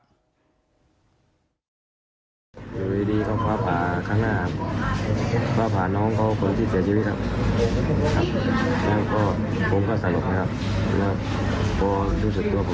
วิวิธีของฟ้าผ่าข้างหน้าครับฟ้าผ่าน้องก็คนที่เสียชีวิตครับครับ